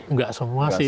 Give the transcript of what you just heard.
enggak semua sih